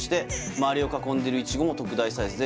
「周りを囲んでいる苺も特大サイズで」